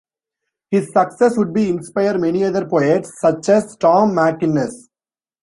His success would be inspire many other poets, such as Tom MacInnes.